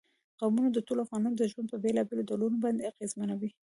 قومونه د ټولو افغانانو ژوند په بېلابېلو ډولونو باندې اغېزمنوي.